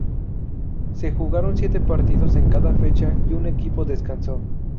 Se jugaron siete partidos en cada fecha y un equipo descansó.